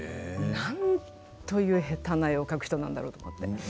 何という下手な絵を描く人なんだろうと思って。